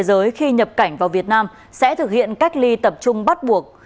xin chào và hẹn gặp lại